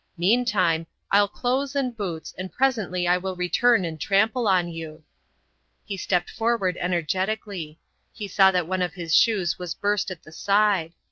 Meantime I'll find clothes and boots, and presently I will return and trample on you." He stepped forward energetically; he saw that one of his shoes was burst at the side.